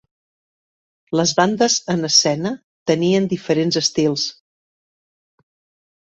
Les bandes en escena tenien diferents estils.